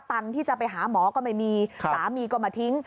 ตังค์ที่จะไปหาหมอก็ไม่มีสามีก็มาทิ้ง